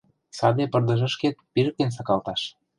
Саде пырдыжышкет пижыктен сакалташ!